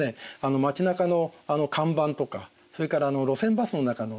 街なかの看板とかそれから路線バスの中のいろんな表示ですね